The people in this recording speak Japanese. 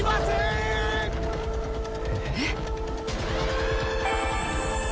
えっ？